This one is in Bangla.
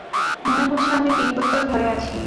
মনে হচ্ছে আমি বিগ বসের ঘরে আছি।